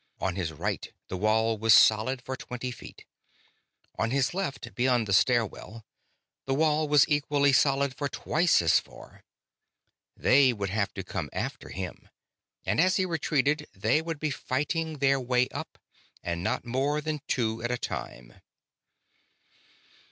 On his right the wall was solid for twenty feet. On his left, beyond the stairwell, the wall was equally solid for twice as far. They would have to come after him, and as he retreated, they would be fighting their way up, and not more than two at a time.